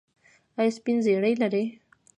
ایا سپین زیړی لرئ؟